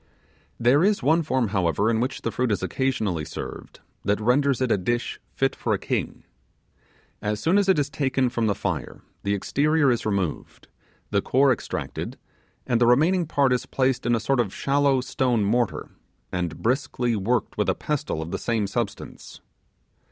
There is one form, however, in which the fruit is occasionally served, that renders it a dish fit for a king. As soon as it is taken from the fire the exterior is removed, the core extracted, and the remaining part is placed in a sort of shallow stone mortar, and briskly worked with a pestle of the same substance.